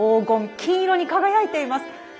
金色に輝いています。